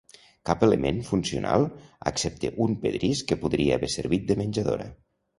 Cap element funcional excepte un pedrís que podria haver servit de menjadora.